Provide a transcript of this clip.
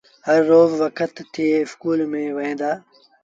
هر روز وکت ٿي اسڪول ميݩ وهيݩ دآ۔